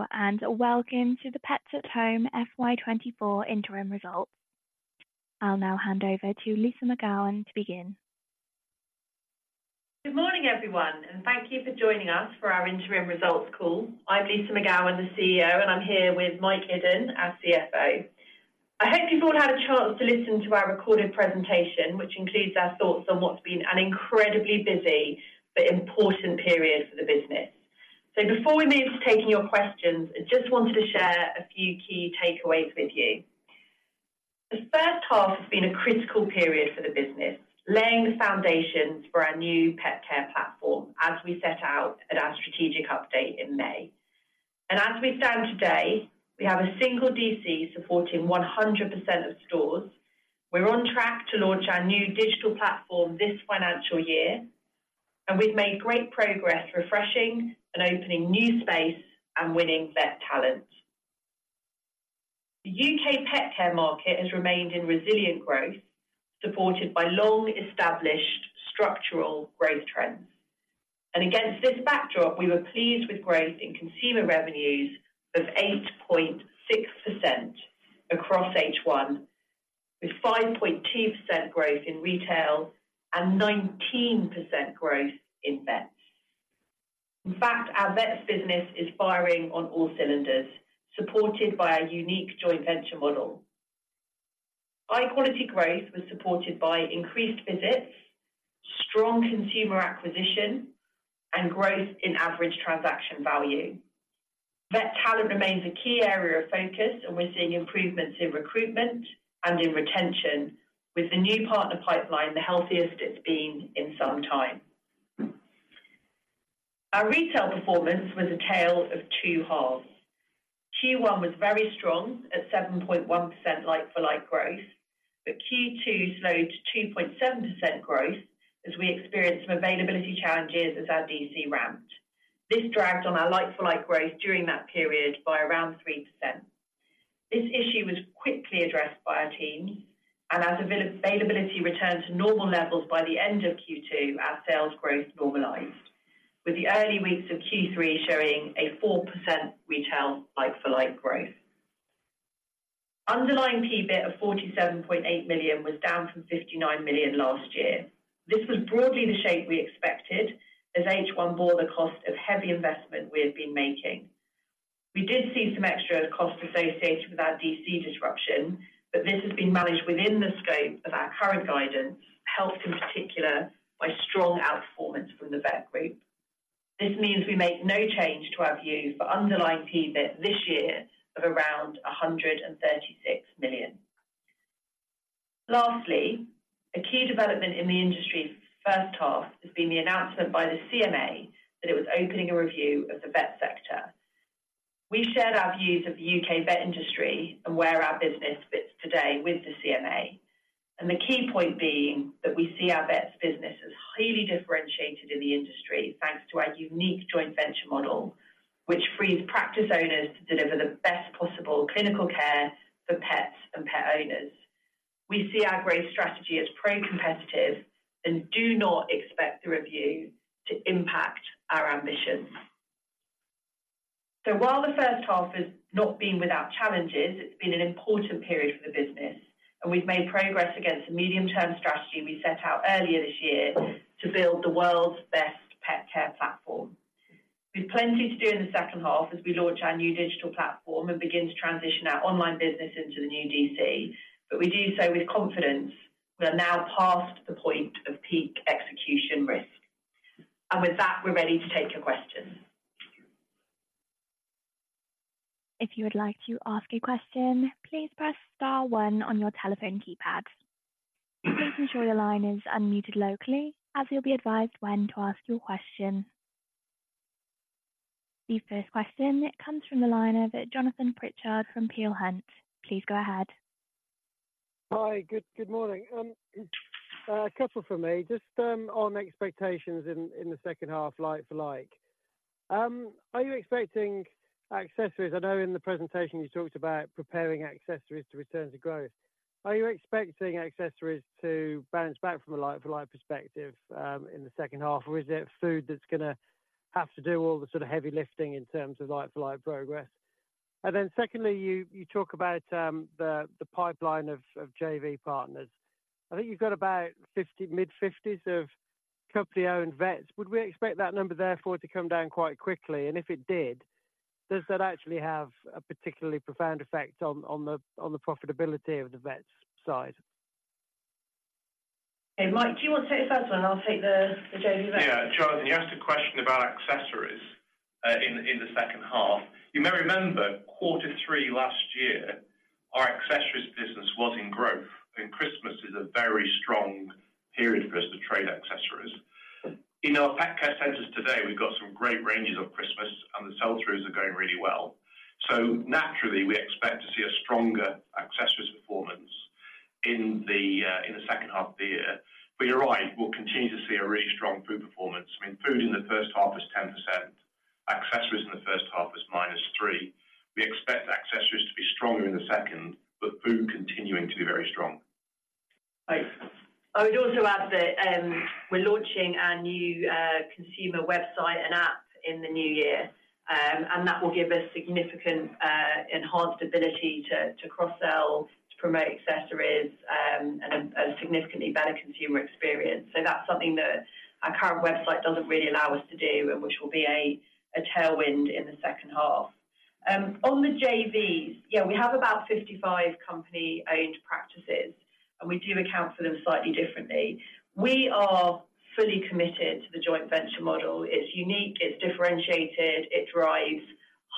Hello, and welcome to the Pets at Home FY 2024 interim results. I'll now hand over to Lyssa McGowan to begin. Good morning, everyone, and thank you for joining us for our interim results call. I'm Lyssa McGowan, the CEO, and I'm here with Mike Iddon, our CFO. I hope you've all had a chance to listen to our recorded presentation, which includes our thoughts on what's been an incredibly busy but important period for the business. Before we move to taking your questions, I just wanted to share a few key takeaways with you. The first half has been a critical period for the business, laying the foundations for our new pet care platform as we set out at our strategic update in May. As we stand today, we have a single DC supporting 100% of stores. We're on track to launch our new digital platform this financial year, and we've made great progress refreshing and opening new space and winning vet talent. The UK pet care market has remained in resilient growth, supported by long-established structural growth trends. Against this backdrop, we were pleased with growth in consumer revenues of 8.6% across H1, with 5.2% growth in retail and 19% growth in vets. In fact, our vets business is firing on all cylinders, supported by our unique joint venture model. High-quality growth was supported by increased visits, strong consumer acquisition, and growth in average transaction value. Vet talent remains a key area of focus, and we're seeing improvements in recruitment and in retention, with the new partner pipeline the healthiest it's been in some time. Our retail performance was a tale of two halves. Q1 was very strong at 7.1% like-for-like growth, but Q2 slowed to 2.7% growth as we experienced some availability challenges as our DC ramped. This dragged on our like-for-like growth during that period by around 3%. This issue was quickly addressed by our team, and as availability returned to normal levels by the end of Q2, our sales growth normalized, with the early weeks of Q3 showing a 4% retail like-for-like growth. Underlying EBIT of 47.8 million was down from 59 million last year. This was broadly the shape we expected as H1 bore the cost of heavy investment we had been making. We did see some extra costs associated with our DC disruption, but this has been managed within the scope of our current guidance, helped in particular by strong outperformance from the vet group. This means we make no change to our views for underlying EBIT this year of around 136 million. Lastly, a key development in the industry's first half has been the announcement by the CMA that it was opening a review of the vet sector. We shared our views of the U.K. vet industry and where our business fits today with the CMA, and the key point being that we see our vets business as highly differentiated in the industry, thanks to our unique joint venture model, which frees practice owners to deliver the best possible clinical care for pets and pet owners. We see our growth strategy as pro-competitive and do not expect the review to impact our ambitions. While the first half has not been without challenges, it's been an important period for the business, and we've made progress against the medium-term strategy we set out earlier this year to build the world's best pet care platform. We've plenty to do in the second half as we launch our new digital platform and begin to transition our online business into the new DC, but we do so with confidence. We are now past the point of peak execution risk. With that, we're ready to take your questions. If you would like to ask a question, please press star one on your telephone keypad. Please ensure your line is unmuted locally, as you'll be advised when to ask your question. The first question, it comes from the line of Jonathan Pritchard from Peel Hunt. Please go ahead. Hi, good, good morning. A couple from me, just, on expectations in the second half, like-for-like. Are you expecting accessories...? I know in the presentation you talked about preparing accessories to return to growth. Are you expecting accessories to bounce back from a like-for-like perspective, in the second half? Or is it food that's gonna have to do all the sort of heavy lifting in terms of like-for-like progress? And then secondly, you talk about the pipeline of JV partners. I think you've got about 50, mid-50s of company-owned vets. Would we expect that number therefore to come down quite quickly? And if it did, does that actually have a particularly profound effect on the profitability of the vets side? Hey, Mike, do you want to take the first one? I'll take the JV vet. Yeah. Jonathan, you asked a question about accessories in the second half. You may remember, quarter three last year, our accessories business was in growth, and Christmas is a very strong period for us to trade accessories. In our pet care centers today, we've got some great ranges of Christmas, and the sell-throughs are going really well. So naturally, we expect to see a stronger accessories performance in the second half of the year. But you're right, we'll continue to see a really strong food performance. I mean, food in the first half is 10%, accessories in the first half is minus three. We expect accessories to be stronger in the second, but food continuing to be very strong.... I would also add that, we're launching our new consumer website and app in the new year. And that will give us significant enhanced ability to cross-sell, to promote accessories, and a significantly better consumer experience. So that's something that our current website doesn't really allow us to do, and which will be a tailwind in the second half. On the JVs, yeah, we have about 55 company-owned practices, and we do account for them slightly differently. We are fully committed to the joint venture model. It's unique, it's differentiated, it drives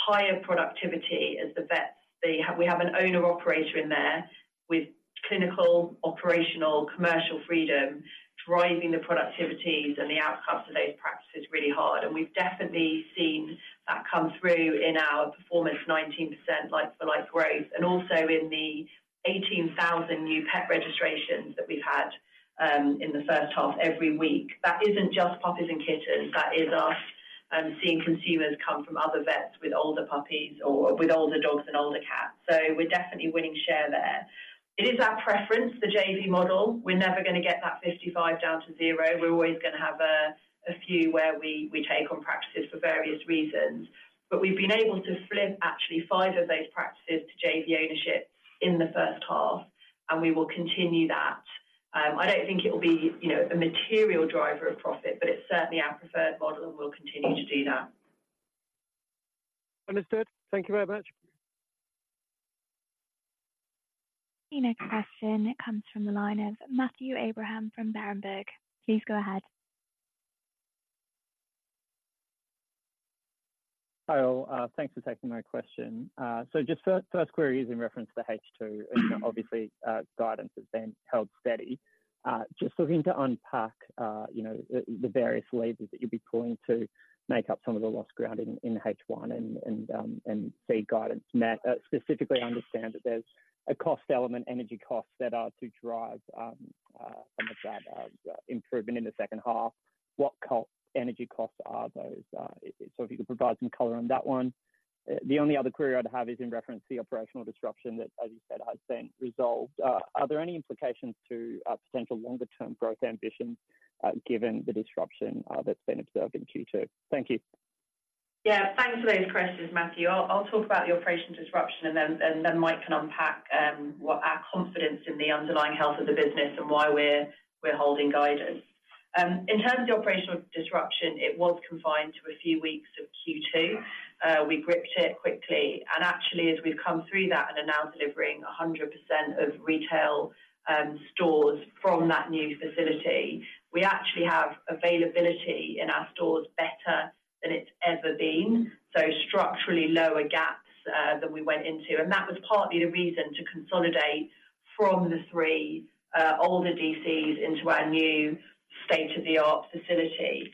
higher productivity as the vets. We have an owner-operator in there with clinical, operational, commercial freedom, driving the productivities and the outcomes of those practices really hard. We've definitely seen that come through in our performance, 19% like-for-like growth, and also in the 18,000 new pet registrations that we've had in the first half every week. That isn't just puppies and kittens, that is us seeing consumers come from other vets with older puppies or with older dogs and older cats. So we're definitely winning share there. It is our preference, the JV model. We're never gonna get that 55 down to zero. We're always gonna have a few where we take on practices for various reasons. But we've been able to flip actually five of those practices to JV ownership in the first half, and we will continue that. I don't think it will be, you know, a material driver of profit, but it's certainly our preferred model, and we'll continue to do that. Understood. Thank you very much. The next question comes from the line of Matthew Abraham from Berenberg. Please go ahead. Hi all, thanks for taking my question. So just first query is in reference to H2. Obviously, guidance has been held steady. Just looking to unpack, you know, the various levers that you'll be pulling to make up some of the lost ground in H1 and see guidance met. Specifically, I understand that there's a cost element, energy costs that are to drive some of that improvement in the second half. What energy costs are those? So if you could provide some color on that one. The only other query I'd have is in reference to the operational disruption that, as you said, has been resolved. Are there any implications to potential longer-term growth ambitions, given the disruption that's been observed in Q2? Thank you. Yeah, thanks for those questions, Matthew. I'll talk about the operational disruption, and then Mike can unpack what our confidence in the underlying health of the business and why we're holding guidance. In terms of operational disruption, it was confined to a few weeks of Q2. We gripped it quickly, and actually, as we've come through that and are now delivering 100% of retail stores from that new facility, we actually have availability in our stores better than it's ever been. So structurally lower gaps than we went into, and that was partly the reason to consolidate from the three older DCs into our new state-of-the-art facility.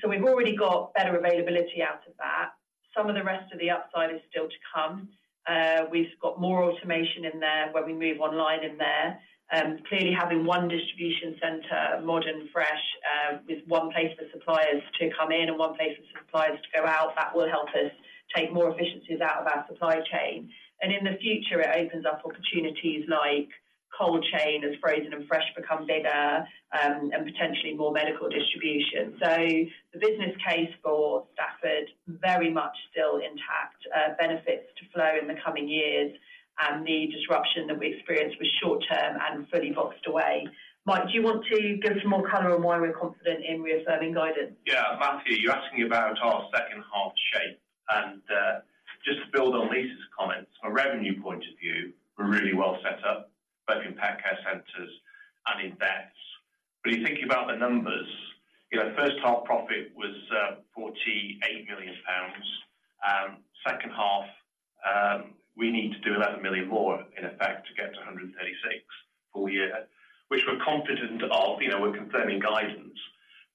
So we've already got better availability out of that. Some of the rest of the upside is still to come. We've got more automation in there when we move online in there. Clearly, having one distribution center, modern, fresh, with one place for suppliers to come in and one place for suppliers to go out, that will help us take more efficiencies out of our supply chain. And in the future, it opens up opportunities like cold chain, as frozen and fresh become bigger, and potentially more medical distribution. So the business case for Stafford, very much still intact, benefits to flow in the coming years, and the disruption that we experienced was short term and fully boxed away. Mike, do you want to give some more color on why we're confident in reaffirming guidance? Yeah, Matthew, you're asking about our second half shape, and just to build on Lyssa comments, from a revenue point of view, we're really well set up, both in pet care centers and in vets. But you think about the numbers, you know, first half profit was 48 million pounds. Second half, we need to do 11 million more in effect to get to 136 full year, which we're confident of, you know, we're confirming guidance.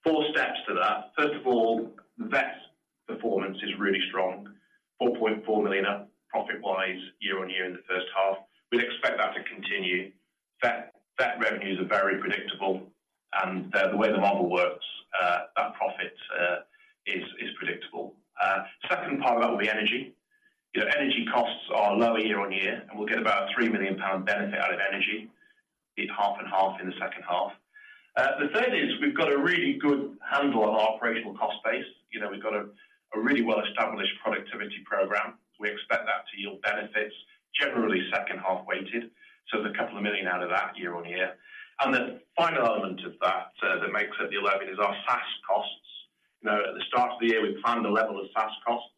Four steps to that. First of all, the vet's performance is really strong. 4.4 million up, profit-wise, year-on-year in the first half. We'd expect that to continue. Vet revenues are very predictable, and the way the model works, that profit is predictable. Second part of that will be energy. You know, energy costs are lower year-on-year, and we'll get about 3 million pound benefit out of energy, be it half and half in the second half. The third is we've got a really good handle on our operational cost base. You know, we've got a really well-established productivity program. We expect that to yield benefits, generally second half weighted, so there's a couple of million out of that year-on-year. And the final element of that that makes up the 11 is our SaaS costs. You know, at the start of the year, we planned a level of SaaS costs.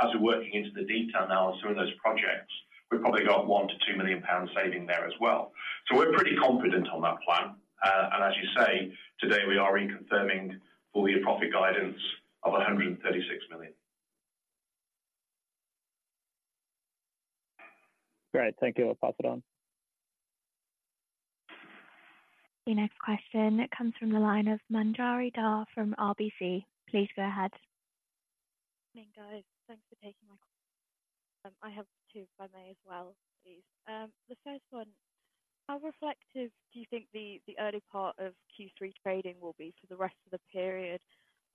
As we're working into the detail now on some of those projects, we've probably got 1-2 million pounds saving there as well. So we're pretty confident on that plan. As you say, today, we are reconfirming full year profit guidance of GBP 136 million. Great. Thank you. I'll pass it on. The next question comes from the line of Manjari Dhar from RBC. Please go ahead. Morning, guys. Thanks for taking my call. I have two, if I may as well, please. The first one, how reflective do you think the early part of Q3 trading will be for the rest of the period?...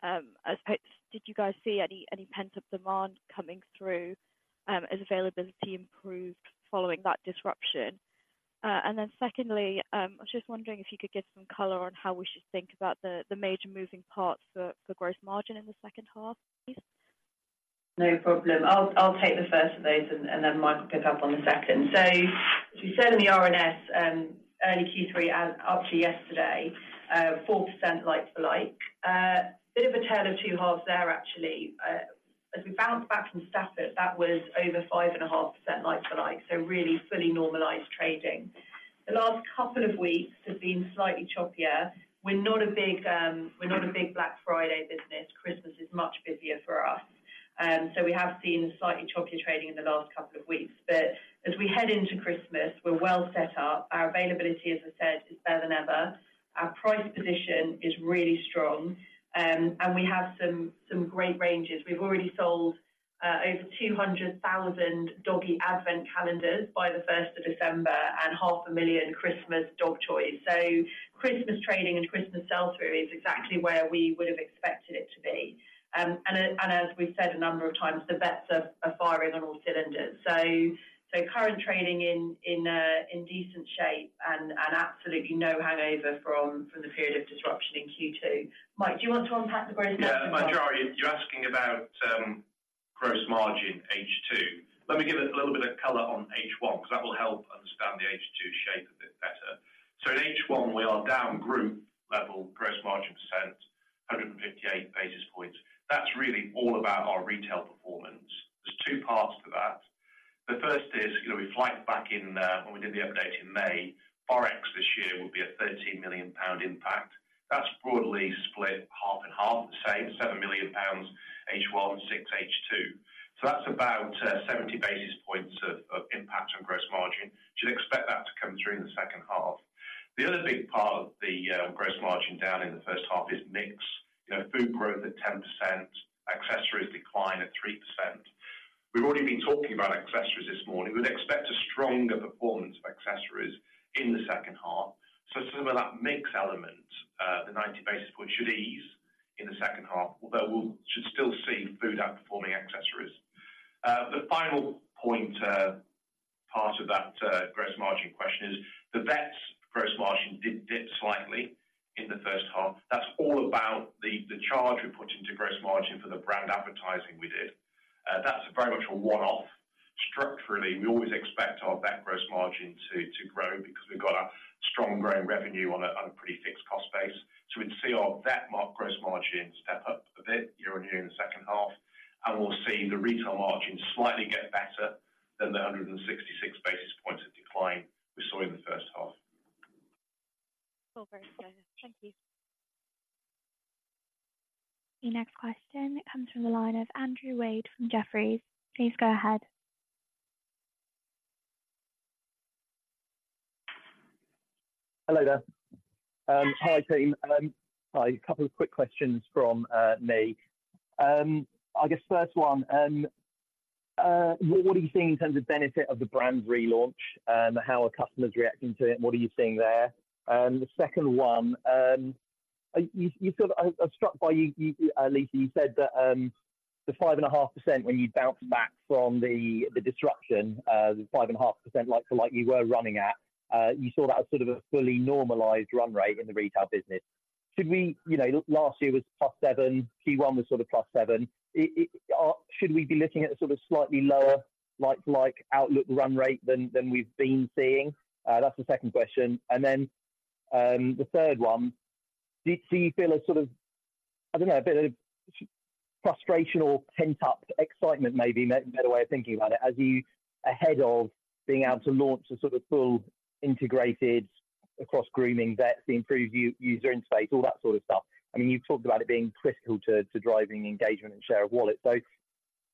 I suppose, did you guys see any, any pent-up demand coming through, as availability improved following that disruption? And then secondly, I was just wondering if you could give some color on how we should think about the, the major moving parts for, for gross margin in the second half, please? No problem. I'll take the first of those, and then Mike will pick up on the second. So as we said in the RNS, early Q3 as up to yesterday, 4% like-for-like. Bit of a tale of two halves there, actually. As we bounced back from Stafford, that was over 5.5% like-for-like, so really fully normalized trading. The last couple of weeks have been slightly choppier. We're not a big Black Friday business. Christmas is much busier for us. So we have seen slightly choppier trading in the last couple of weeks, but as we head into Christmas, we're well set up. Our availability, as I said, is better than ever. Our price position is really strong, and we have some great ranges. We've already sold over 200,000 doggy advent calendars by the first of December and 500,000 Christmas dog toys. So Christmas trading and Christmas sell-through is exactly where we would have expected it to be. And as we've said a number of times, the vets are firing on all cylinders. So current trading is in decent shape and absolutely no hangover from the period of disruption in Q2. Mike, do you want to unpack the gross margin? Yeah, Manjari, you're asking about gross margin H2. Let me give a little bit of color on H1, because that will help understand the H2 shape a bit better. So in H1, we are down group level, gross margin percent 158 basis points. That's really all about our retail performance. There's two parts to that. The first is, you know, we flagged back in when we did the update in May, Forex this year will be a 13 million pound impact. That's broadly split half and half, the same 7 million pounds, H1, 6 million H2. So that's about 70 basis points of impact on gross margin. Should expect that to come through in the second half. The other big part of the gross margin down in the first half is mix. You know, food growth at 10%, accessories decline at 3%. We've already been talking about accessories this morning. We'd expect a stronger performance of accessories in the second half. So some of that mix element, the 90 basis point should ease in the second half, although we should still see food outperforming accessories. The final point, part of that, gross margin question is, the vets gross margin did dip slightly in the first half. That's all about the, the charge we put into gross margin for the brand advertising we did. That's very much a one-off. Structurally, we always expect our vet gross margin to, to grow because we've got a strong growing revenue on a, on a pretty fixed cost base. So we'd see our vet margin gross margin step up a bit year-on-year in the second half, and we'll see the retail margin slightly get better than the 166 basis points of decline we saw in the first half. All very clear. Thank you. The next question comes from the line of Andrew Wade from Jefferies. Please go ahead. Hello there. Hi, team. Hi, a couple of quick questions from me. I guess first one, what are you seeing in terms of benefit of the brand relaunch, how are customers reacting to it? What are you seeing there? The second one, you sort of... I'm struck by you, Lyssa, you said that, the 5.5%, when you bounced back from the disruption, the 5.5% like-for-like you were running at, you saw that as sort of a fully normalized run rate in the retail business. Should we, you know, last year was +7%, Q1 was sort of +7%. It, should we be looking at a sort of slightly lower like-for-like outlook run rate than we've been seeing? That's the second question. And then the third one, do you feel a sort of, I don't know, a bit of frustration or pent-up excitement, maybe a better way of thinking about it, as you ahead of being able to launch a sort of full integrated across grooming vets, the improved user interface, all that sort of stuff. I mean, you've talked about it being critical to driving engagement and share of wallet. So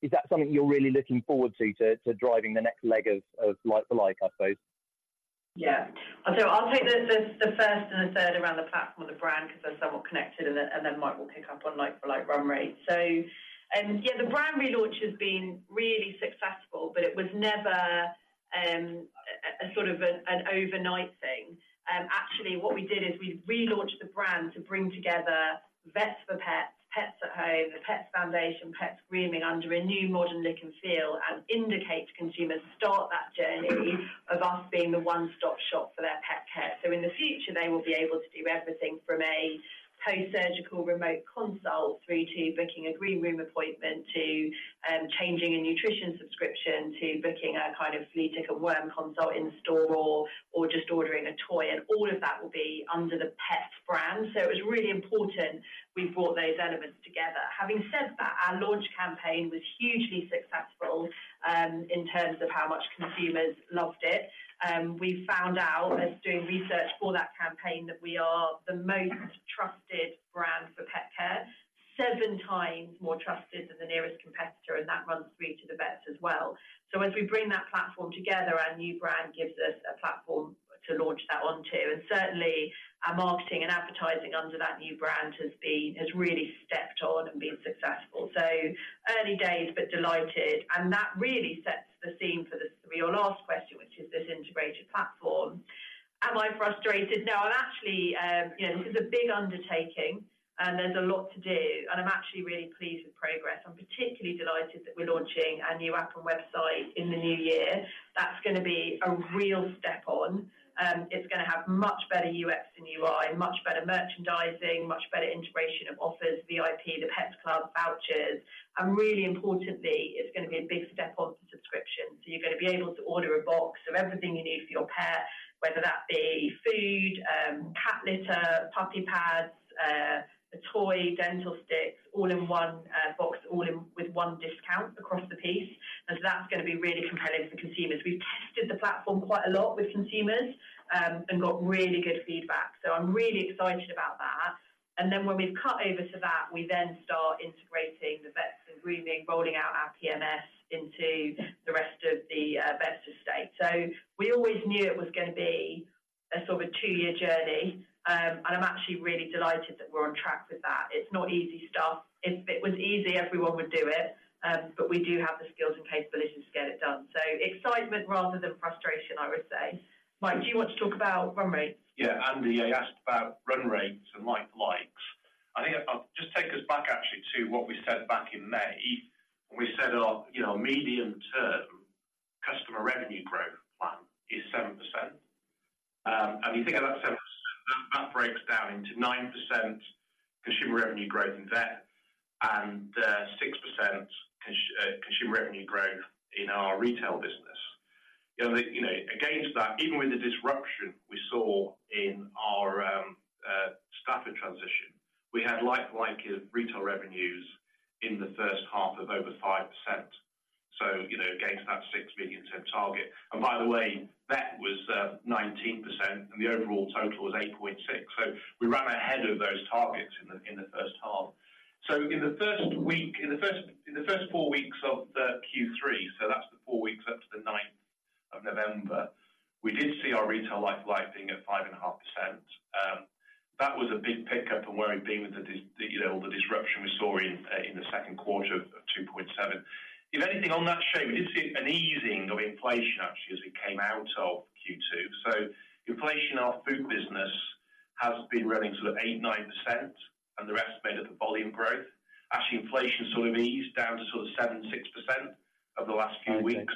is that something you're really looking forward to driving the next leg of like-for-like, I suppose? Yeah. So I'll take the first and the third around the platform of the brand, because they're somewhat connected, and then Mike will pick up on like-for-like run rate. So, yeah, the brand relaunch has been really successful, but it was never a sort of an overnight thing. Actually, what we did is we relaunched the brand to bring together Vets for Pets, Pets at Home, the Pets Foundation, Pets Grooming under a new modern look and feel, and indicate to consumers start that journey of us being the one-stop shop for their pet care. So in the future, they will be able to do everything from a postsurgical remote consult, through to booking a grooming room appointment, to changing a nutrition subscription, to booking a kind of flea, tick, and worm consult in store, or just ordering a toy. And all of that will be under the pet brand. So it was really important we brought those elements together. Having said that, our launch campaign was hugely successful in terms of how much consumers loved it. We found out, as doing research for that campaign, that we are the most trusted brand for pet care, seven times more trusted than the nearest competitor, and that runs through to the vets as well. So as we bring that platform together, our new brand gives us a platform to launch that onto, and certainly, our marketing and advertising under that new brand has really stepped on and been successful. So early days, but delighted, and that really sets the scene for the, your last question, which is this integrated platform. Am I frustrated? No, I'm actually, you know, this is a big undertaking, and there's a lot to do, and I'm actually really pleased with progress. I'm particularly delighted that we're launching our new app and website in the new year. That's going to be a real step on. It's going to have much better UX and UI, much better merchandising, much better integration of offers, VIP, the Pets Club, vouchers, and really importantly, it's going to be a big step on to subscription. So you're going to be able to order a box of everything you need for your pet, whether that be food, cat litter, puppy pads, a toy, dental sticks, all in one box, all in with one discount across the piece, and so that's going to be really competitive for consumers. We've tested the platform quite a lot with consumers, and got really good feedback. So I'm really excited about that. And then when we've cut over to that, we then start integrating the Vets and grooming, rolling out our PMS into the rest of the Vets estate. So we always knew it was going to be a sort of a two-year journey, and I'm actually really delighted that we're on track with that. It's not easy stuff. If it was easy, everyone would do it, but we do have the skills and capabilities to get it done. So excitement rather than frustration, I would say. Mike, do you want to talk about run rates? Yeah, Andy, I asked about run rates and like-for-likes. I think I'll just take us back actually to what we said back in May, when we said our, you know, medium-term customer revenue growth plan is 7%. And you think of that 7%, that breaks down into 9% consumer revenue growth in vet and 6% consumer revenue growth in our retail business. You know, against that, even with the disruption we saw in our Stafford transition, we had like-for-like retail revenues in the first half of over 5%. So, you know, against that 6% target, and by the way, vet was 19%, and the overall total was 8.6. So we ran ahead of those targets in the first half. So in the first four weeks of the Q3, so that's the four weeks up to the ninth of November, we did see our retail LFL at 5.5%. That was a big pickup from where we've been with the disruption, you know, all the disruption we saw in the second quarter of 2.7%. If anything, on that shape, we did see an easing of inflation, actually, as we came out of Q2. So inflation in our food business has been running sort of 8%-9%, and the rest made up of volume growth. Actually, inflation sort of eased down to sort of 7%-6% over the last few weeks.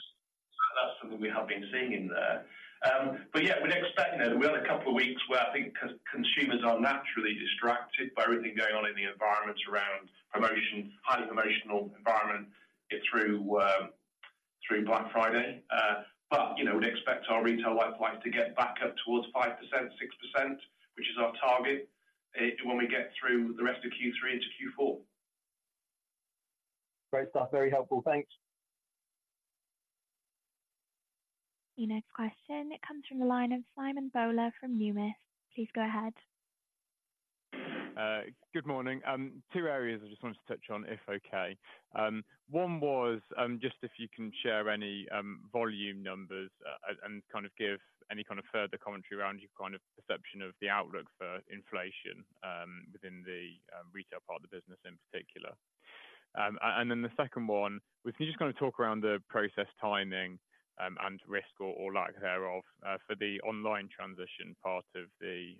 So that's something we have been seeing in there. But yeah, we'd expect, you know, we had a couple of weeks where I think consumers are naturally distracted by everything going on in the environment around promotion, high promotional environment getting through Black Friday. But, you know, we'd expect our retail LFL to get back up towards 5%, 6%, which is our target, when we get through the rest of Q3 into Q4. Great stuff. Very helpful. Thanks. The next question, it comes from the line of Simon Bowler from Numis. Please go ahead. Good morning. Two areas I just wanted to touch on, if okay. One was just if you can share any volume numbers, and kind of give any kind of further commentary around your kind of perception of the outlook for inflation within the retail part of the business in particular. And then the second one, if you just kind of talk around the process, timing, and risk or lack thereof for the online transition part of the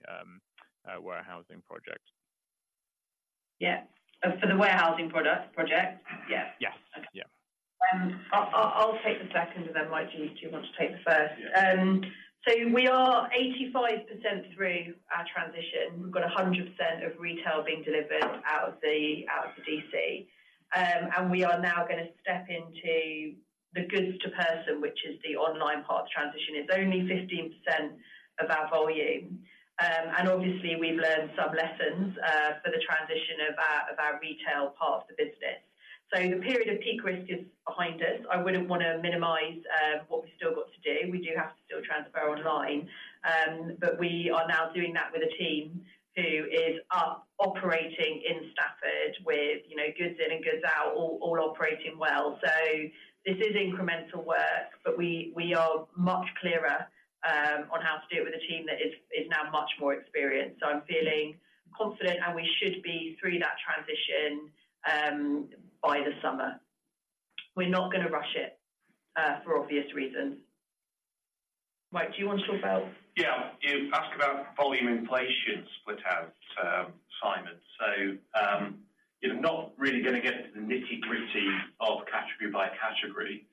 warehousing project. Yeah. For the warehousing product project? Yeah. Yes. Okay. Yeah. I'll take the second, and then, Mike, do you want to take the first? Yeah. So we are 85% through our transition. We've got 100% of retail being delivered out of the DC. And we are now going to step into the goods to person, which is the online part of the transition. It's only 15% of our volume. And obviously, we've learned some lessons for the transition of our retail part of the business. So the period of peak risk is behind us. I wouldn't want to minimize what we've still got to do. We do have to still transfer online, but we are now doing that with a team who is up operating in Stafford with, you know, goods in and goods out, all operating well. So this is incremental work, but we are much clearer on how to do it with a team that is now much more experienced. So I'm feeling confident, and we should be through that transition by the summer. We're not going to rush it for obvious reasons. Mike, do you want to talk about- Yeah, you asked about volume inflation split out, Simon. So, you know, not really going to get into the nitty-gritty of category by category,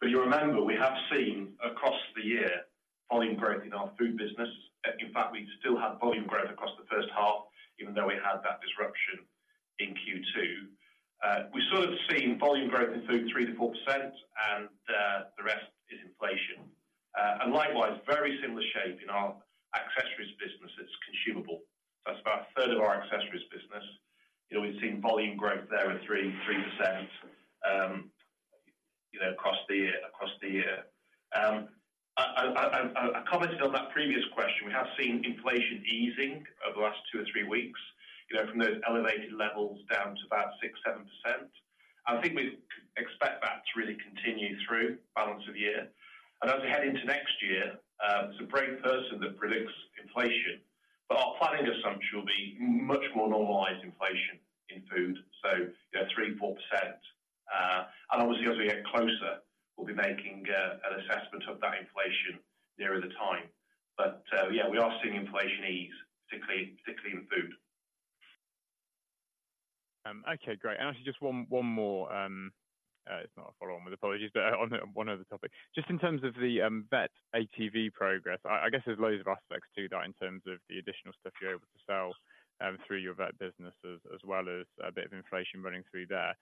but you remember, we have seen across the year, volume growth in our food business. In fact, we still had volume growth across the first half, even though we had that disruption in Q2. We sort of seen volume growth in food, 3%-4%, and the rest is inflation. And likewise, very similar shape in our accessories business, it's consumable. That's about a third of our accessories business. You know, we've seen volume growth there of 3, 3%, you know, across the year, across the year. I commented on that previous question, we have seen inflation easing over the last two or three weeks, you know, from those elevated levels down to about 6%-7%. I think we expect that to really continue through balance of the year. And as we head into next year, it's a brave person that predicts inflation, but our planning assumption will be much more normalized inflation in food, so, you know, 3%-4%.... and obviously, as we get closer, we'll be making an assessment of that inflation nearer the time. But, yeah, we are seeing inflation ease, particularly, particularly in food. Okay, great. And actually just one, one more, it's not a follow on with apologies, but on, on one other topic. Just in terms of the, vet ATV progress, I, I guess there's loads of aspects to that in terms of the additional stuff you're able to sell, through your vet businesses, as well as a bit of inflation running through there.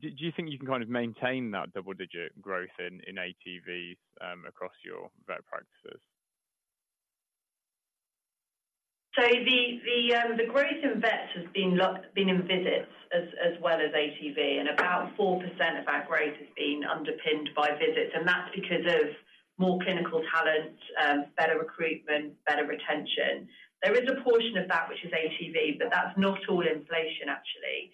Do, do you think you can kind of maintain that double-digit growth in, in ATVs, across your vet practices? So the growth in vets has been in visits as well as ATV, and about 4% of that growth has been underpinned by visits, and that's because of more clinical talent, better recruitment, better retention. There is a portion of that which is ATV, but that's not all inflation, actually.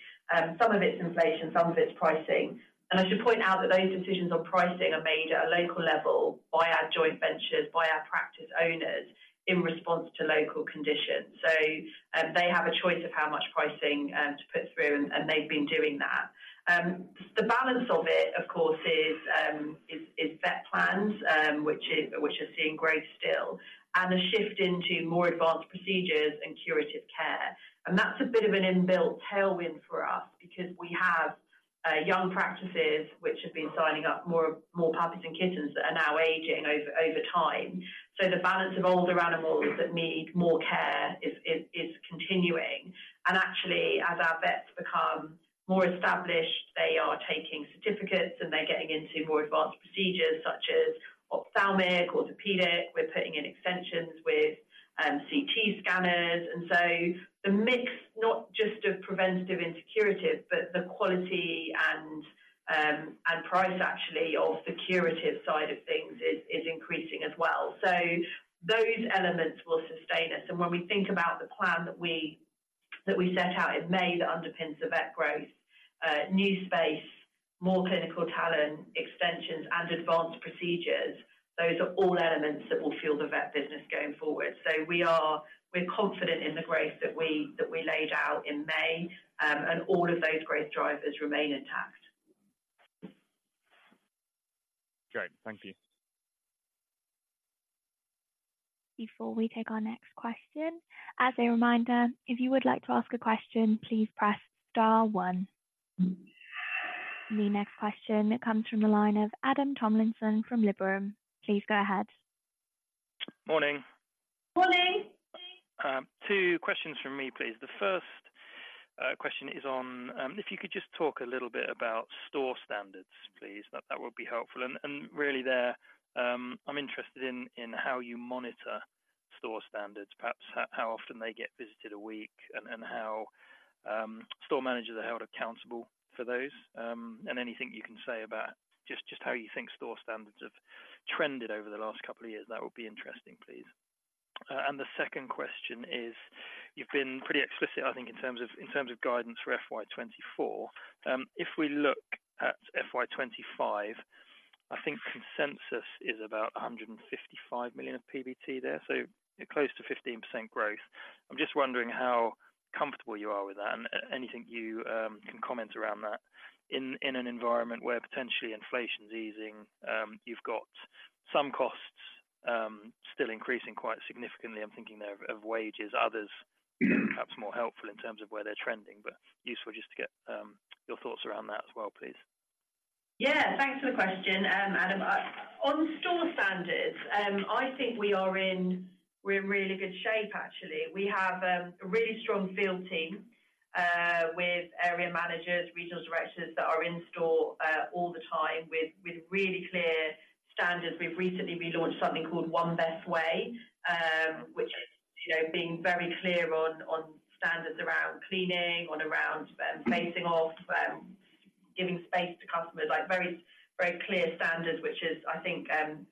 Some of it's inflation, some of it's pricing. And I should point out that those decisions on pricing are made at a local level by our joint ventures, by our practice owners, in response to local conditions. So they have a choice of how much pricing to put through, and they've been doing that. The balance of it, of course, is vet plans, which are seeing growth still, and a shift into more advanced procedures and curative care. That's a bit of an inbuilt tailwind for us because we have young practices which have been signing up more puppies and kittens that are now aging over time. So the balance of older animals that need more care is continuing. Actually, as our vets become more established, they are taking certificates, and they're getting into more advanced procedures such as ophthalmic, orthopedic. We're putting in extensions with CT scanners. So the mix, not just of preventative and curative, but the quality and price actually of the curative side of things is increasing as well. So those elements will sustain us. When we think about the plan that we set out in May that underpins the vet growth, new space, more clinical talent, extensions, and advanced procedures, those are all elements that will fuel the vet business going forward. So we're confident in the growth that we laid out in May, and all of those growth drivers remain intact. Great. Thank you. Before we take our next question, as a reminder, if you would like to ask a question, please press star one. The next question comes from the line of Adam Tomlinson from Liberum. Please go ahead. Morning. Morning. Two questions from me, please. The first question is on if you could just talk a little bit about store standards, please, that would be helpful. And really there, I'm interested in how you monitor store standards, perhaps how often they get visited a week and how store managers are held accountable for those. And anything you can say about just how you think store standards have trended over the last couple of years, that would be interesting, please. And the second question is, you've been pretty explicit, I think, in terms of, in terms of guidance for FY 2024. If we look at FY 2025, I think consensus is about 155 million of PBT there, so close to 15% growth. I'm just wondering how comfortable you are with that and anything you can comment around that in an environment where potentially inflation's easing, you've got some costs still increasing quite significantly. I'm thinking there of wages, others, perhaps more helpful in terms of where they're trending, but useful just to get your thoughts around that as well, please. Yeah, thanks for the question, Adam. On store standards, I think we are in, we're in really good shape, actually. We have, a really strong field team, with area managers, regional directors that are in store, all the time with, with really clear standards. We've recently relaunched something called One Best Way, which, you know, being very clear on, on standards around cleaning, on around, spacing off, giving space to customers, like, very, very clear standards, which is, I think,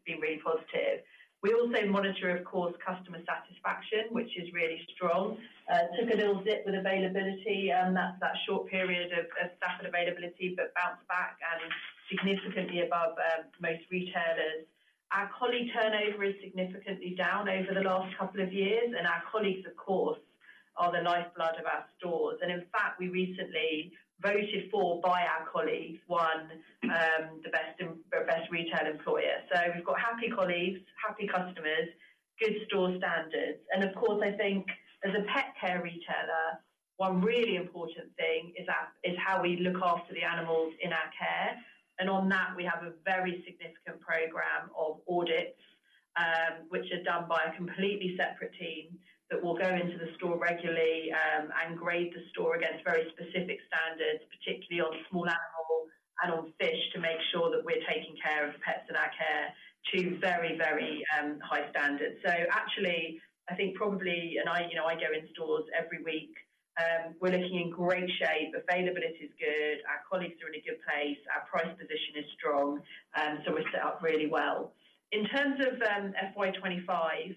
been really positive. We also monitor, of course, customer satisfaction, which is really strong. Took a little dip with availability, that, that short period of, of staff and availability, but bounced back and significantly above, most retailers. Our colleague turnover is significantly down over the last couple of years, and our colleagues, of course, are the lifeblood of our stores. In fact, we recently voted for by our colleagues, won the best in best retail employer. So we've got happy colleagues, happy customers, good store standards. Of course, I think as a pet care retailer, one really important thing is that is how we look after the animals in our care. On that, we have a very significant program of audits, which are done by a completely separate team that will go into the store regularly, and grade the store against very specific standards, particularly on small animal and on fish, to make sure that we're taking care of the pets in our care to very, very high standards. So actually, I think probably, and I, you know, I go in stores every week, we're looking in great shape. Availability is good, our colleagues are in a good place, our price position is strong, so we're set up really well. In terms of, FY 2025,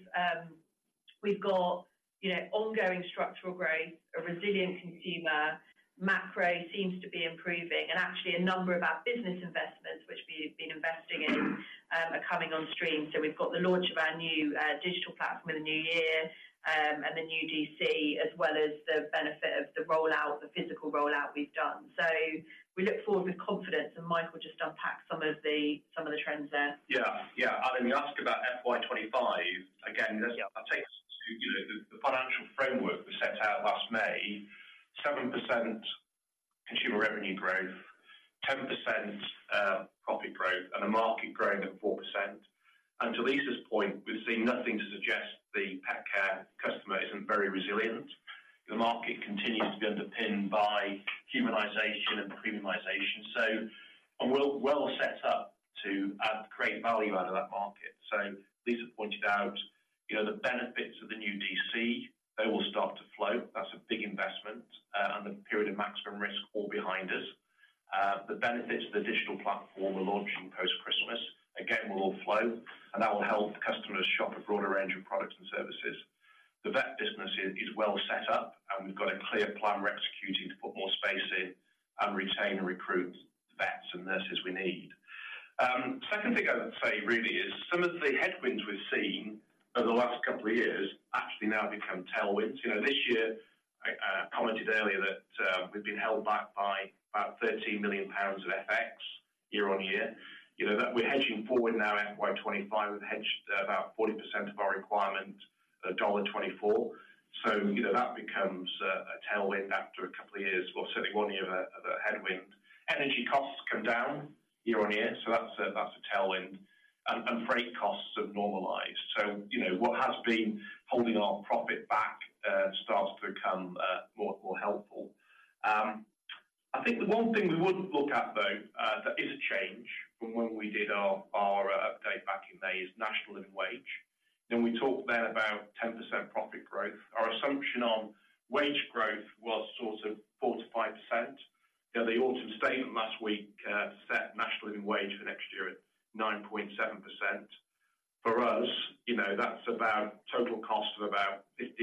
we've got, you know, ongoing structural growth, a resilient consumer. Macro seems to be improving, and actually, a number of our business investments, which we've been investing in are coming on stream. So we've got the launch of our new, digital platform in the new year, and the new DC, as well as the benefit of the rollout, the physical rollout we've done. So we look forward with confidence, and Mike will just unpack some of the trends there. Yeah. Yeah, and you asked about FY 2025. Again, that's- Yeah. I take us to, you know, the, the financial framework we set out last May, 7% consumer revenue growth, 10% profit growth, and a market growing at 4%. To Lisa's point, we've seen nothing to suggest the pet care customer isn't very resilient. The market continues to be underpinned by humanization and premiumization. So and we're well set up to add, create value out of that market. So Lisa pointed out, you know, the benefits of the new DC, they will start to flow. That's a big investment, and the period of maximum risk all behind us. The benefits of the digital platform are launching post-Christmas. Again, will all flow, and that will help customers shop a broader range of products and services. The vet business is, is well set up, and we've got a clear plan we're executing to put more space in and retain and recruit the vets and nurses we need. Second thing I would say really is some of the headwinds we've seen over the last couple of years actually now become tailwinds. You know, this year, I commented earlier that, we've been held back by about 13 million pounds of FX year on year. You know, that we're hedging forward now FY 2025, we've hedged about 40% of our requirement, $1.24. So, you know, that becomes a, a tailwind after a couple of years, or certainly one year of a, of a headwind. Energy costs come down year on year, so that's a, that's a tailwind. And, and freight costs have normalized. So, you know, what has been holding our profit back starts to become more, more helpful. I think the one thing we wouldn't look at, though, that is a change from when we did our, our update back in May, is National Living Wage. Then we talked then about 10% profit growth. Our assumption on wage growth was sort of 4%-5%. You know, the Autumn Statement last week set National Living Wage for next year at 9.7%. For us, you know, that's about total cost of about 15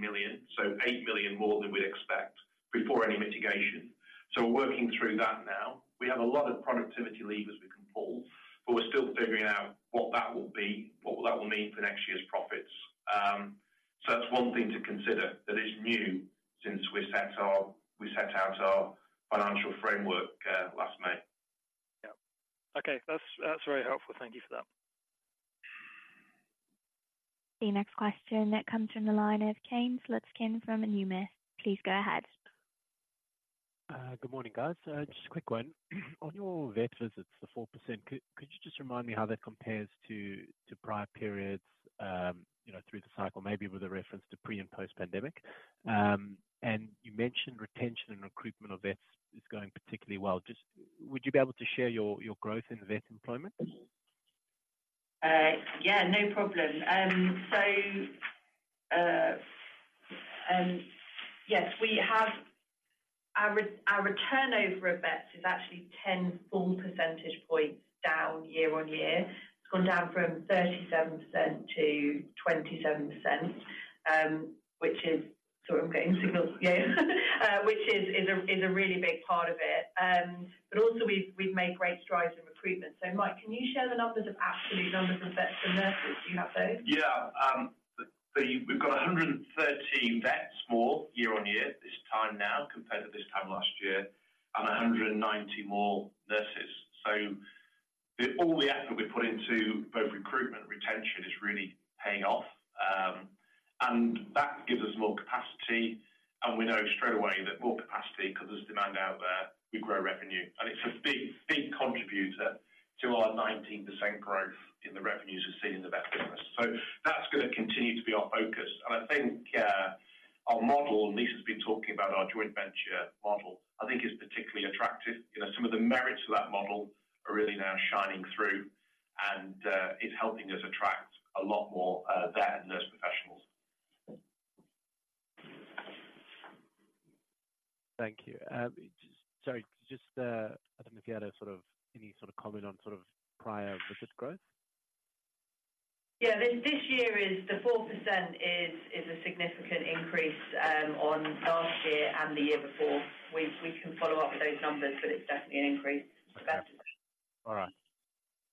million-16 million, so 8 million more than we'd expect before any mitigation. So we're working through that now. We have a lot of productivity levers we can pull, but we're still figuring out what that will be, what that will mean for next year's profits. So that's one thing to consider that is new since we set out our financial framework last May. Yeah. Okay, that's, that's very helpful. Thank you for that. The next question that comes from the line of Kane Slutzkin from Numis. Please go ahead. Good morning, guys. Just a quick one. On your vet visits, the 4%, could you just remind me how that compares to prior periods, you know, through the cycle, maybe with a reference to pre- and post-pandemic? And you mentioned retention and recruitment of vets is going particularly well. Just would you be able to share your growth in vet employment? Yeah, no problem. So, yes, we have our turnover of vets is actually 10 full percentage points down year on year. It's gone down from 37%-27%, which is getting signals. Yeah, which is a really big part of it. But also we've made great strides in recruitment. So, Mike, can you share the absolute numbers of vets and nurses you have there? Yeah. So we've got 113 vets more year-on-year, this time now compared to this time last year, and 190 more nurses. So the, all the effort we put into both recruitment and retention is really paying off. And that gives us more capacity, and we know straight away that more capacity, 'cause there's demand out there, we grow revenue. And it's a big, big contributor to our 19% growth in the revenues we're seeing in the vet business. So that's gonna continue to be our focus. And I think, our model, Lisa has been talking about our joint venture model, I think is particularly attractive. You know, some of the merits of that model are really now shining through, and, it's helping us attract a lot more, vet and nurse professionals. Thank you. Just, sorry, just, I don't know if you had a sort of any sort of comment on sort of prior visit growth? Yeah. This year, the 4% is a significant increase on last year and the year before. We can follow up with those numbers, but it's definitely an increase. All right.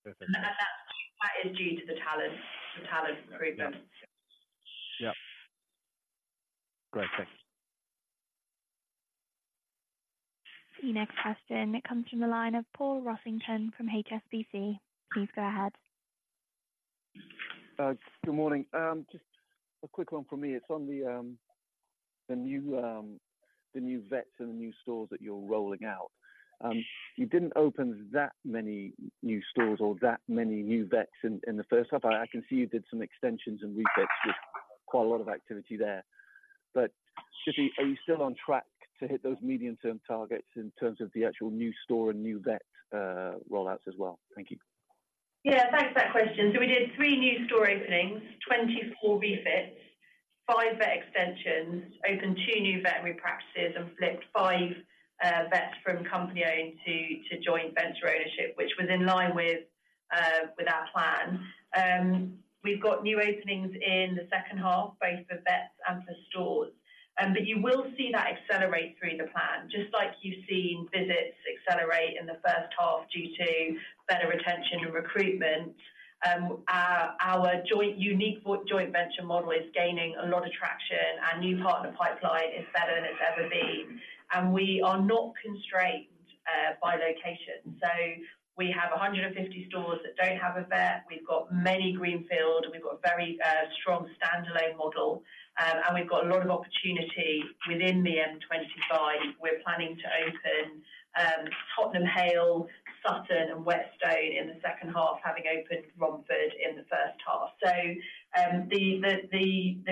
Perfect. That is due to the talent recruitment. Yeah. Great, thank you. The next question, it comes from the line of Paul Rossington from HSBC. Please go ahead. Good morning. Just a quick one from me. It's on the new vets and the new stores that you're rolling out. You didn't open that many new stores or that many new vets in the first half. I can see you did some extensions and refits, just quite a lot of activity there. But just, are you still on track to hit those medium-term targets in terms of the actual new store and new vet rollouts as well? Thank you. Yeah, thanks for that question. So we did three new store openings, 24 refits, five vet extensions, opened two new veterinary practices, and flipped five vets from company-owned to joint venture ownership, which was in line with our plan. We've got new openings in the second half, both for vets and for stores. But you will see that accelerate through the plan, just like you've seen visits accelerate in the first half due to better retention and recruitment. Our joint unique joint venture model is gaining a lot of traction, and new partner pipeline is better than it's ever been. And we are not constrained by location. So we have 150 stores that don't have a vet. We've got many greenfield, and we've got a very strong standalone model. We've got a lot of opportunity within the M25. We're planning to open Tottenham Hale, Sutton, and Whetstone in the second half, having opened Romford in the first half. The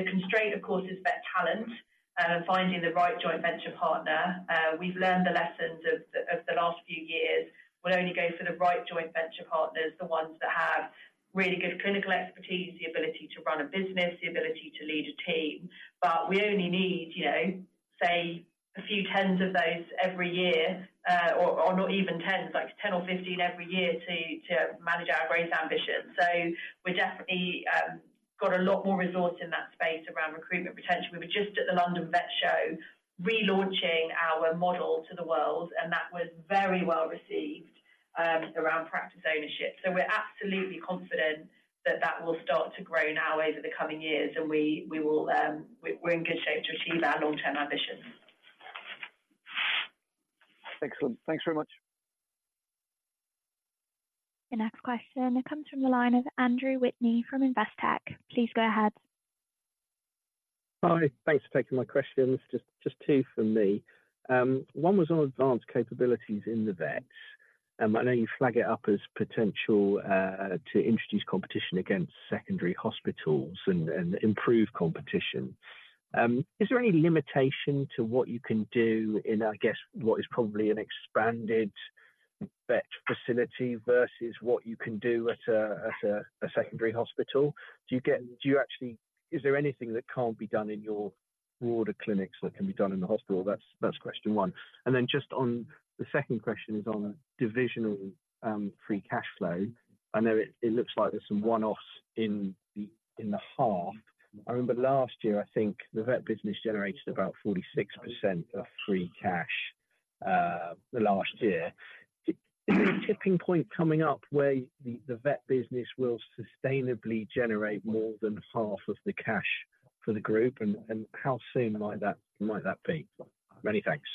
constraint, of course, is vet talent and finding the right joint venture partner. We've learned the lessons of the last few years. We'll only go for the right joint venture partners, the ones that have really good clinical expertise, the ability to run a business, the ability to lead a team. But we only need, you know, say, a few tens of those every year, or not even tens, like 10 or 15 every year to manage our growth ambitions. So we're definitely got a lot more resource in that space around recruitment potential. We were just at the London Vet Show, relaunching our model to the world, and that was very well received around practice ownership. So we're absolutely confident that that will start to grow now over the coming years, and we will, we're in good shape to achieve our long-term ambitions. Excellent. Thanks very much. The next question comes from the line of Andrew Whitney from Investec. Please go ahead. Hi, thanks for taking my questions. Just two from me. One was on advanced capabilities in the vets. I know you flag it up as potential to introduce competition against secondary hospitals and improve competition. Is there any limitation to what you can do in, I guess, what is probably an expanded vet facility versus what you can do at a secondary hospital? Is there anything that can't be done in your broader clinics that can be done in the hospital? That's question one. And then just on the second question is on divisional free cash flow. I know it looks like there's some one-offs in the half. I remember last year, I think the vet business generated about 46% of free cash last year. Is there a tipping point coming up where the vet business will sustainably generate more than half of the cash for the group? And how soon might that be? Many thanks.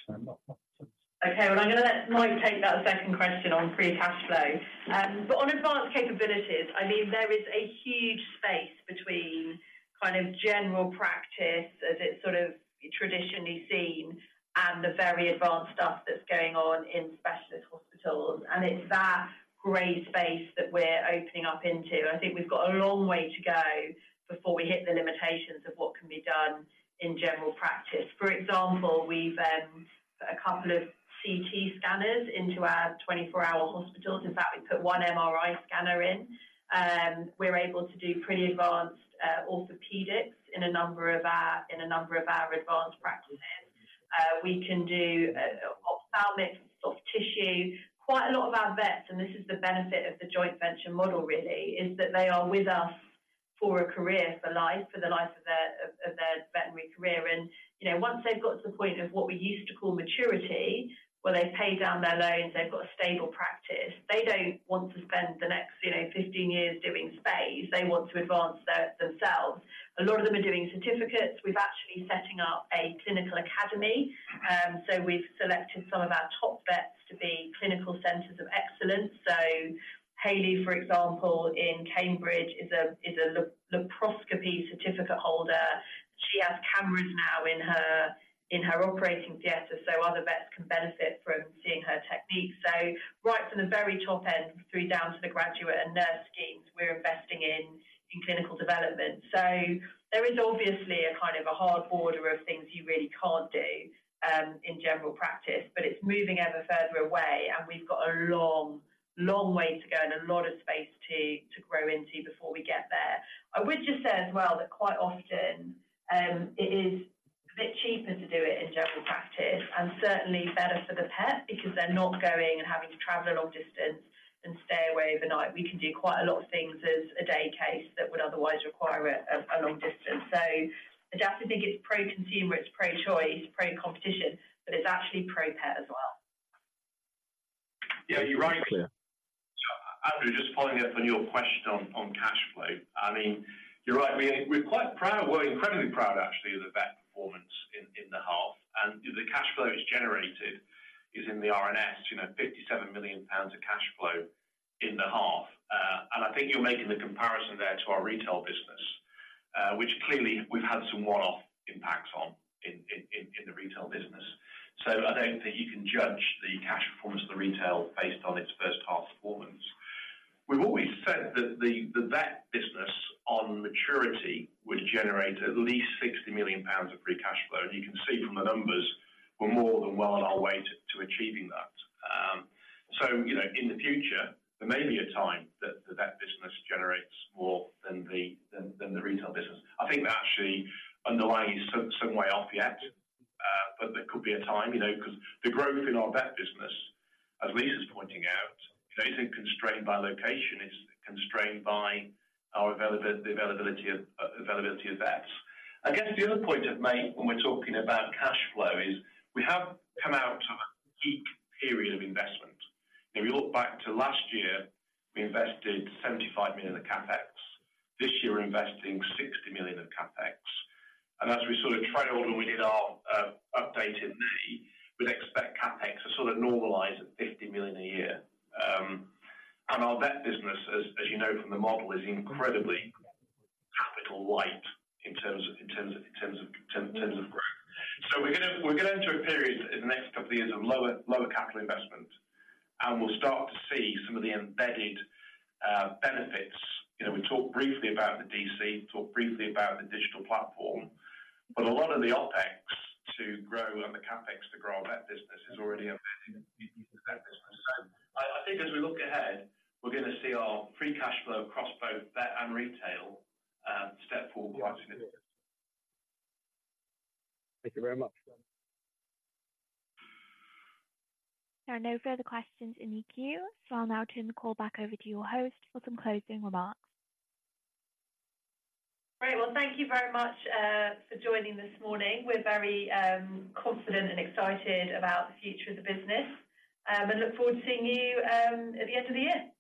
Okay, well, I'm going to let Mike take that second question on free cash flow. But on advanced capabilities, I mean, there is a huge space between kind of general practice as it's sort of traditionally seen, and the very advanced stuff that's going on in specialist hospitals, and it's that gray space that we're opening up into. I think we've got a long way to go before we hit the limitations of what can be done in general practice. For example, we've put a couple of CT scanners into our 24-hour hospitals. In fact, we put one MRI scanner in. We're able to do pretty advanced orthopedics in a number of our advanced practices. We can do ophthalmic soft tissue. Quite a lot of our vets, and this is the benefit of the joint venture model, really, is that they are with us for a career, for life, for the life of their, of their veterinary career. And, you know, once they've got to the point of what we used to call maturity, where they pay down their loans, they've got a stable practice. They don't want to spend the next, you know, 15 years doing spays. They want to advance their themselves. A lot of them are doing certificates. We've actually setting up a clinical academy, so we've selected some of our top vets to be clinical centers of excellence. So Haley, for example, in Cambridge, is a, is a laparoscopy certificate holder. She has cameras now in her, in her operating theater, so other vets can benefit from seeing her techniques. So right from the very top end through down to the graduate and nurse schemes, we're investing in clinical development. So there is obviously a kind of a hard border of things you really can't do in general practice, but it's moving ever further away, and we've got a long, long way to go and a lot of space to grow into before we get there. I would just say as well, that quite often it is a bit cheaper to do it in general practice and certainly better for the pet because they're not going and having to travel a long distance and stay away overnight. We can do quite a lot of things as a day case that would otherwise require a long distance. So I just think it's pro-consumer, it's pro-choice, pro-competition, but it's actually pro-pet as well. Yeah, you're right, Clear. Andrew, just following up on your question on cash flow. I mean, you're right. We're quite proud, we're incredibly proud, actually, of the vet performance in the half. And the cash flow generated is in the RNS, you know, 57 million pounds of cash flow in the half. And I think you're making the comparison there to our retail business, which clearly we've had some one-off impacts on in the retail business. So I don't think you can judge the cash performance of the retail based on its first half performance. We've always said that the vet business on maturity would generate at least 60 million pounds of free cash flow. And you can see from the numbers, we're more than well on our way to achieving that. So you know, in the future, there may be a time that the vet business generates more than the retail business. I think that actually underlying is some way off yet, but there could be a time, you know, because the growth in our vet business, as Lisa's pointing out, it isn't constrained by location, it's constrained by our availability, the availability of vets. I guess the other point to make when we're talking about cash flow is we have come out of a peak period of investment. If you look back to last year, we invested 75 million in CapEx. This year, we're investing 60 million in CapEx. And as we sort of trade all, we did our update in May, we'd expect CapEx to sort of normalize at 50 million a year. And our vet business, as you know from the model, is incredibly capital light in terms of growth. So we're gonna enter a period in the next couple of years of lower capital investment, and we'll start to see some of the embedded benefits. You know, we talked briefly about the DC, talked briefly about the digital platform, but a lot of the OpEx to grow and the CapEx to grow our vet business is already embedded in the vet business. So I think as we look ahead, we're going to see our free cash flow across both vet and retail step forward quite significantly. Thank you very much. There are no further questions in the queue, so I'll now turn the call back over to your host for some closing remarks. Great. Well, thank you very much for joining this morning. We're very confident and excited about the future of the business, and look forward to seeing you at the end of the year.